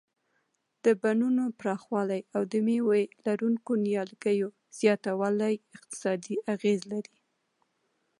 د بڼونو پراخوالی او د مېوه لرونکو نیالګیو زیاتول اقتصادي اغیز لري.